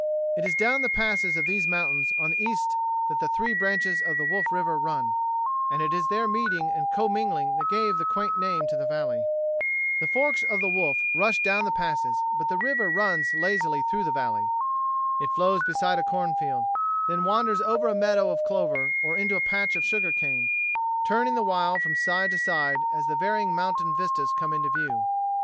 It is down the passes of these mountains on the east that the three branches of the Wolf River run, and it is their meeting and commingling that gave the quaint name to the valley. The forks of the Wolf rush down the passes, but the river runs lazily through the valley. It flows beside a cornfield, then wanders over to a meadow of clover or into a patch of sugar cane, turning the while from side to side as the varying mountain vistas come into view.